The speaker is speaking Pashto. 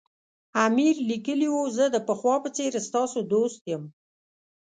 امیر لیکلي وو زه د پخوا په څېر ستاسو دوست یم.